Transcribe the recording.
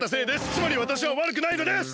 つまりわたしはわるくないのです！